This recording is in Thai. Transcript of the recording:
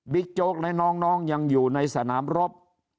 โจ๊กและน้องยังอยู่ในสนามรบ